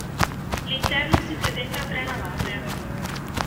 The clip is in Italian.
L'interno si presenta a tre navate.